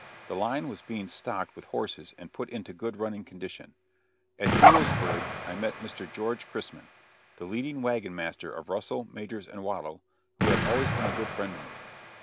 The line was being stocked with horses and put into good running condition. At Julesburg I met Mr. George Chrisman, the leading wagon master of Russell, Majors & Waddell, who had always been a good friend to me.